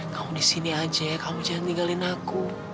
kamu di sini aja kamu jangan tinggalin aku